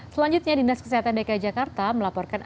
selanjutnya dinas kesehatan dki jakarta melaporkan